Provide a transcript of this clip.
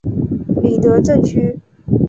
里德镇区。